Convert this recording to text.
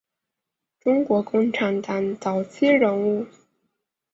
中国共产党早期人物。